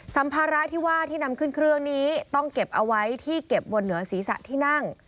สัมภาระที่ว่าที่นำขึ้นเครื่องนี้ต้องเก็บเอาไว้ที่เก็บบนเหนือศีรษะที่นั่ง